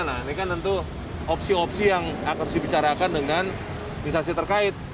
nah ini kan tentu opsi opsi yang akan dibicarakan dengan instansi terkait